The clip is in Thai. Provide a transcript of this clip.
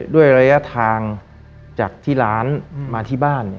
ด้วยระยะทางจากที่ร้านมาที่บ้าน